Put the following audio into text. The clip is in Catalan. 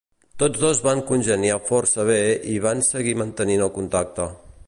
Tots dos van congeniar força bé i van seguir mantenint el contacte.